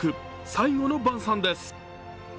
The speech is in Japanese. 「最後の晩餐」です。